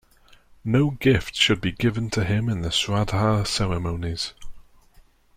No gift should be given to him in the Sraddha ceremonies.